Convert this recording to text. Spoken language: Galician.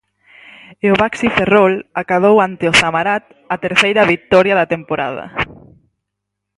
E o Baxi Ferrol acadou ante o Zamarat a terceira vitoria da temporada.